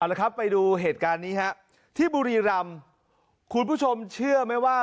แล้วครับไปดูเหตุการณ์นี้ฮะที่บุรีรำคุณผู้ชมเชื่อไหมว่า